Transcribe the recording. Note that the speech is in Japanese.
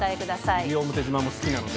西表島も好きなので。